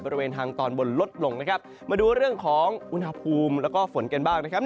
บริเวณทางตอนบนลดลงนะครับมาดูเรื่องของอุณหภูมิแล้วก็ฝนกันบ้างนะครับ